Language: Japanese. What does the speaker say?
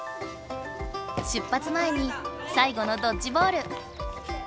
出発前に最後のドッジボール。